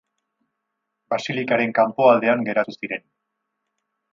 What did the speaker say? Basilikaren kanpoaldean geratu ziren.